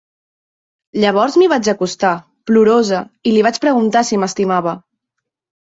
Llavors m'hi vaig acostar, plorosa, i li vaig preguntar si m'estimava.